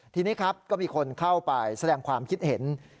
ทีนี้ครับก็มีคนเข้าไปแสดงความคิดเห็น